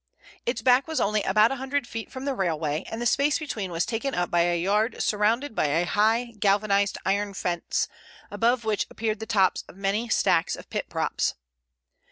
Its back was only about a hundred feet from the railway, and the space between was taken up by a yard surrounded by a high galvanized iron fence, above which appeared the tops of many stacks of pit props.